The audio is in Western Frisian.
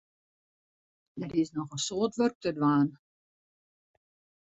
Der is noch in soad wurk te dwaan.